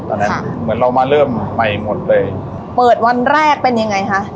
เหมือนเรามาเริ่มใหม่หมดเลยเปิดวันแรกเป็นยังไงคะ